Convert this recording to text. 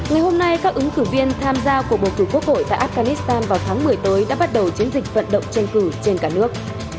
ngày hôm nay các ứng cử viên tham gia cuộc bầu cử quốc hội tại afghanistan vào tháng một mươi tới đã bắt đầu chiến dịch vận động tranh cử trên cả nước